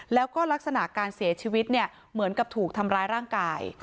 แล้วก็ลักษณะการเสียชีวิตเนี่ยเหมือนกับถูกทำร้ายร่างกาย